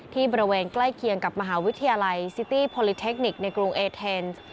บริเวณใกล้เคียงกับมหาวิทยาลัยซิตี้โพลิเทคนิคในกรุงเอเทนส์